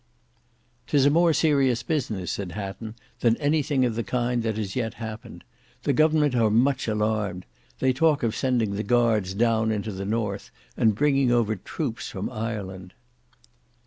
"'Tis a more serious business," said Hatton, "than any thing of the kind that has yet happened. The government are much alarmed. They talk of sending the Guards down into the north, and bringing over troops from Ireland."